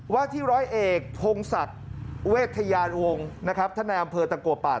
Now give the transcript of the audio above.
ว่าที่ร้อยเอกทงสัตว์เวทยานวงนะครับท่านในอำเภอะตังควบปาศ